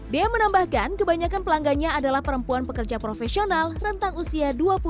dia menambahkan kebanyakan pelanggannya adalah perempuan pekerja profesional rentang usia dua puluh hingga empat puluh tahun